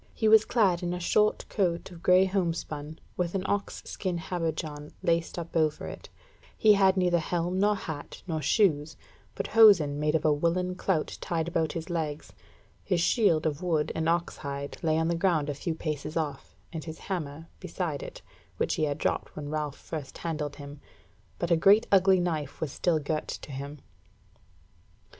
He was clad in a short coat of grey homespun, with an ox skin habergeon laced up over it; he had neither helm nor hat, nor shoes, but hosen made of a woollen clout tied about his legs; his shield of wood and ox hide lay on the ground a few paces off, and his hammer beside it, which he had dropped when Ralph first handled him, but a great ugly knife was still girt to him.